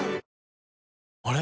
あれ？